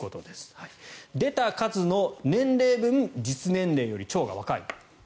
出た数の年齢分実年齢より腸が若い。